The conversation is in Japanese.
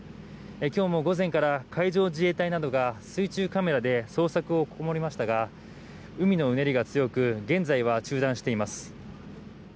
今日も午前から海上自衛隊などが水中カメラで捜索を試みましたが海のうねりが強く現在は中断しています。